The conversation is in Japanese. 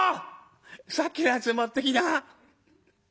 さっきのやつ持ってきな」。